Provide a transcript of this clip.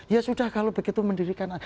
ya sudah kalau begitu mendirikan